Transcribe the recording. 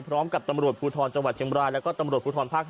พร้อมกับตำรวจภูทรจังหวัดเชียงบรายแล้วก็ตำรวจภูทรภาค๕